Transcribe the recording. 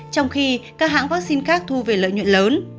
trong khi các hãng vaccine khác thu về lợi nhuận lớn